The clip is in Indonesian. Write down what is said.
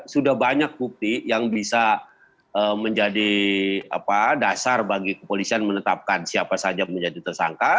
sudah banyak bukti yang bisa menjadi dasar bagi kepolisian menetapkan siapa saja menjadi tersangka